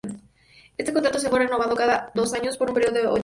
Este contrato se fue renovando cada dos años por un período de ocho años.